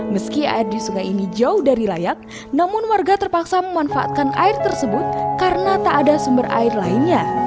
meski air di sungai ini jauh dari layak namun warga terpaksa memanfaatkan air tersebut karena tak ada sumber air lainnya